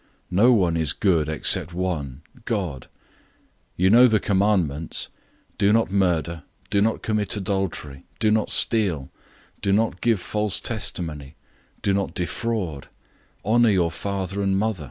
No one is good except one God. 010:019 You know the commandments: 'Do not murder,' 'Do not commit adultery,' 'Do not steal,' 'Do not give false testimony,' 'Do not defraud,' 'Honor your father and mother.'"